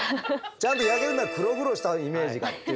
ちゃんと焼けるなら黒々したイメージがっていうこと。